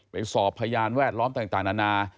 สอบพยานแวดล้อมต่างนานา